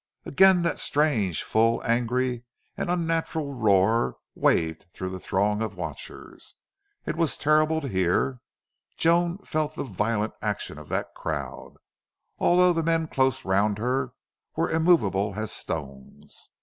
Again that strange, full, angry, and unnatural roar waved through the throng of watchers. It was terrible to hear. Joan felt the violent action of that crowd, although the men close round her were immovable as stones.